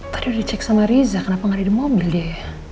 tadi udah dicek sama riza kenapa gak ada di mobil dia